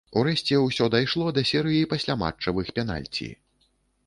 Урэшце ўсё дайшло да серыі пасляматчавых пенальці.